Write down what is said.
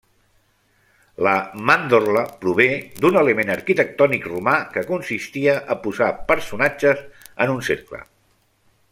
La màndorla prové d'un element arquitectònic romà que consistia a posar personatges en un cercle.